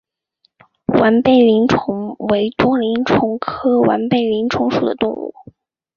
完背鳞虫为多鳞虫科完背鳞虫属的动物。